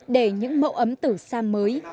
để những mẫu ấm tử sa mới